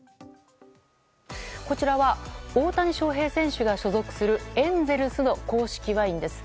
こちらは大谷翔平選手が所属するエンゼルスの公式ワインです。